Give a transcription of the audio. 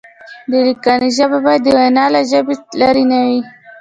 د لیکنې ژبه باید د وینا له ژبې لرې نه وي.